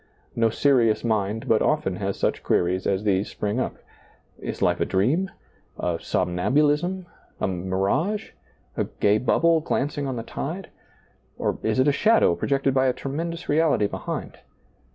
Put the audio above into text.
No serious mind but often has such queries as these spring DiailizccbvGoOgle A NEW YEAR SERMON 93 up: Is life a dream, a somnambulism, a mi rage, a gay bubble glancing on the tide ? Or is it a shadow projected by a tremendous reality behind